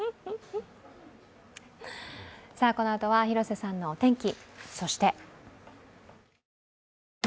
このあとは広瀬さんのお天気。